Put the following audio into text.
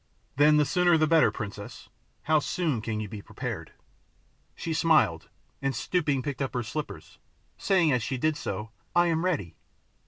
"Then the sooner the better, princess. How soon can you be prepared?" She smiled, and stooping picked up her slippers, saying as she did so, "I am ready!"